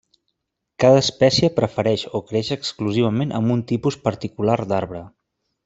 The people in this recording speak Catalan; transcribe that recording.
Cada espècie prefereix o creix exclusivament amb un tipus particular d'arbre.